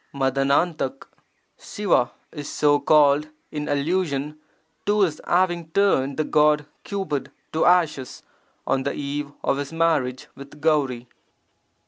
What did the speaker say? [Tf^TRra — Siva is so called in allusion to His having turned the god Cupid to ashes on the eve of His marriage with Gauri.